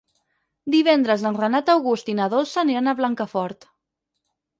Divendres en Renat August i na Dolça aniran a Blancafort.